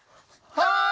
はい！